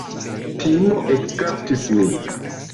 Timo ekkaptis min.